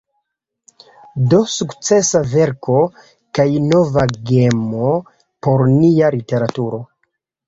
Do sukcesa verko, kaj nova gemo por nia literaturo.